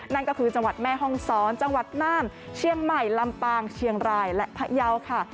นั่นก็คือจังหวัดแม่ฮ่องซ้อนจังหวัดน่านเชียงใหม่ลำปางเชียงรายและพะเยาค่ะ